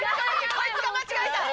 こいつ、間違えた。